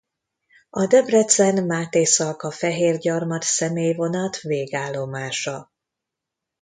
A Debrecen- Mátészalka- Fehérgyarmat személyvonat végállomása.